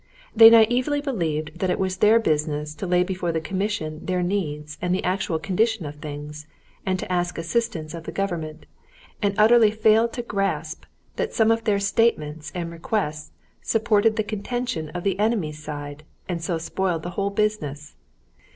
They naïvely believed that it was their business to lay before the commission their needs and the actual condition of things, and to ask assistance of the government, and utterly failed to grasp that some of their statements and requests supported the contention of the enemy's side, and so spoiled the whole business.